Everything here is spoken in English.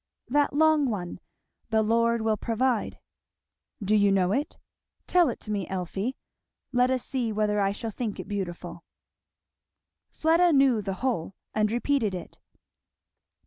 "That long one, 'The Lord will provide.'" "Do you know it? Tell it to me, Elfie let us see whether I shall think it beautiful." Fleda knew the whole and repeated it.